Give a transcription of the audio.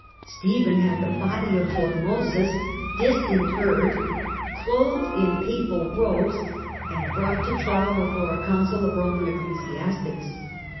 Stephen had the body of Formosus disinterred, clothed in papal robes and brought to trial before a council of Roman ecclesiastics.